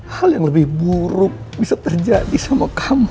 hal yang lebih buruk bisa terjadi sama kamu